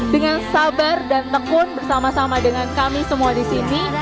dengan sabar dan tekun bersama sama dengan kami semua di sini